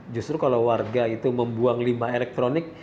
justru kalau warga itu membuang limbah elektronik